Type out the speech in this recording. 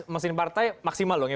mesin partai maksimal dong ya